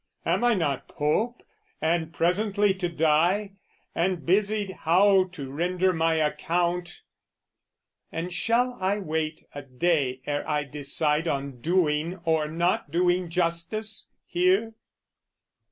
"Am I not Pope, and presently to die, "And busied how to render my account, "And shall I wait a day ere I decide "On doing or not doing justice here?